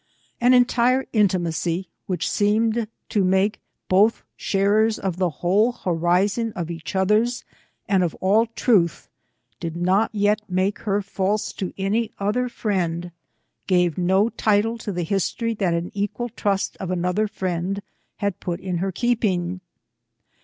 An entire intimacy, which seemed to make both sharers of the whole horizon of each others' and of all truth, did not yet make her false to any other friend ; gave no title to the history that an equal trust of another friend had put in her keeping.